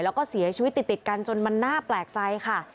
แล้วก็เสียชีวิตติดกันจนมันน่าแปลกใจค่ะ